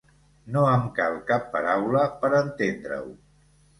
No em cal cap paraula per entendre-ho.